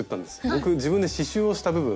僕自分で刺しゅうをした部分。